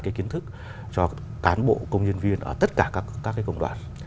các kiến thức cho cán bộ công nhân viên ở tất cả các công đoạn